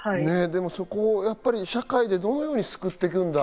そこを社会でどのように救っていくのか。